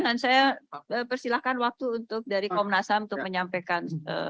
dan saya persilahkan waktu untuk dari komnas ham untuk menyampaikan